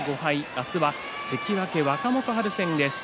明日は関脇若元春戦です。